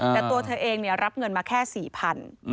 แต่ตัวเธอเองรับเงินมาแค่๔๐๐บาท